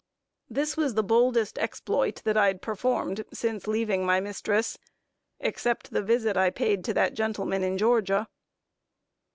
This was the boldest exploit that I had performed since leaving my mistress, except the visit I paid to the gentleman in Georgia.